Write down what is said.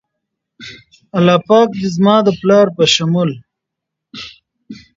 الله پاک د زما د پلار په شمول